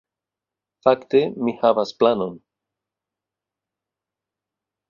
Fakte, mi havas planon